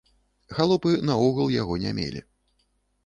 Халопы наогул яго не мелі.